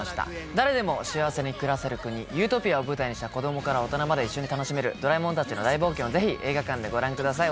誰でも幸せに暮らせる国理想郷を舞台にした子供から大人まで一緒に楽しめるドラえもんたちの大冒険をぜひ映画館でご覧ください。